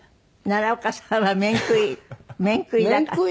奈良岡さんは面食い面食いだから。